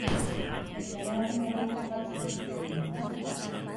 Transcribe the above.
Etxean edaten badugu, zergatik ez iturriko ura?